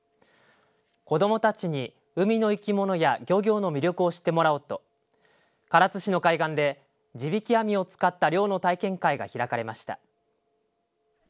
子どもたちに海の生き物や漁業の魅力を知ってもらおうと唐津市の海岸で地引き網を使った漁の体験会が開かれました。